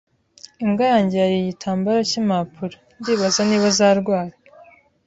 Imbwa yanjye yariye igitambaro cyimpapuro. Ndibaza niba azarwara